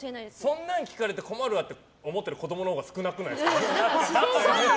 そんなん聞かれて困るって思う子供のほうが少ないでしょ。